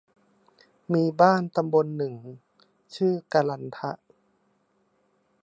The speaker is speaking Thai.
มีบ้านตำบลหนึ่ง ชื่อกลันทะ